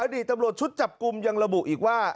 ดีตำรวจชุดจับกลุ่มยังระบุอีกว่า